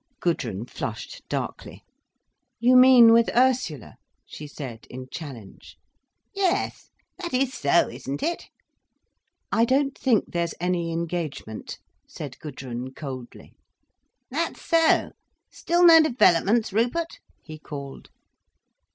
Gudrun flushed darkly. "You mean with Ursula?" she said, in challenge. "Yes. That is so, isn't it?" "I don't think there's any engagement," said Gudrun, coldly. "That so? Still no developments, Rupert?" he called.